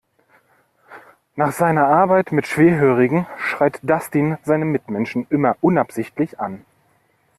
Nach seiner Arbeit mit Schwerhörigen schreit Dustin seine Mitmenschen immer unabsichtlich an.